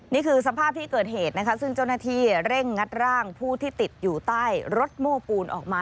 นี่คือสภาพที่เกิดเหตุนะคะซึ่งเจ้าหน้าที่เร่งงัดร่างผู้ที่ติดอยู่ใต้รถโม้ปูนออกมา